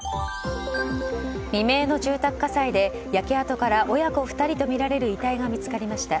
未明の住宅火災で焼け跡から親子２人とみられる遺体が見つかりました。